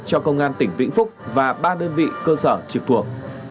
cho công an tỉnh vĩnh phúc và ba đơn vị cơ sở trực thuộc